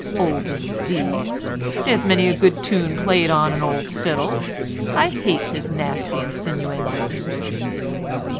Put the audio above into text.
Old indeed! There's many a good tune played on an old fiddle. I hate his nasty insinuendos."